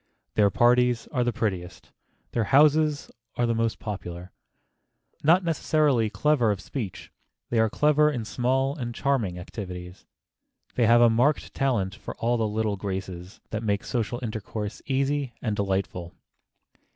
Their parties are the prettiest; their houses are the most popular. Not necessarily clever of speech, they are clever in small and charming activities. They have a marked talent for all the little graces that make social intercourse easy and delightful.